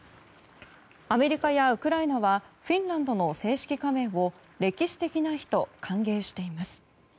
アメリカやウクライナはフィンランドの正式加盟を歴史的な日と歓迎しています。